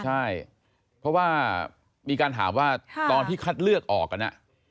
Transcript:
ใช่เพราะว่ามีการถามว่าตอนที่คัดเลือกออกกัน